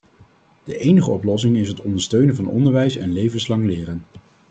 De enige oplossing is het ondersteunen van onderwijs en levenslang leren.